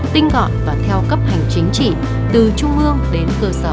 tinh gọn và theo cấp hành chính trị từ trung ương đến cơ sở